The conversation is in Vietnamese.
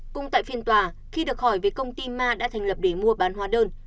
cũng tại phiên tòa khi được hỏi về công ty ma đã thành lập để mua bán hóa đơn